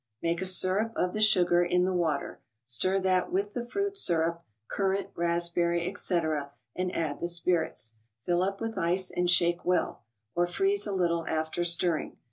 Make a syrup of the sugar in the water; stir that with the fruit syrup (currant, raspberry, etc.), and add the spirits. Fill up with ice and shake well; or freeze a little after stirring.